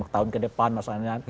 tahun ke depan maksudnya